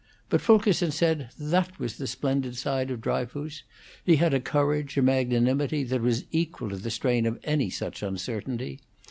But Fulkerson said that was the splendid side of Dryfoos. He had a courage, a magnanimity, that was equal to the strain of any such uncertainty.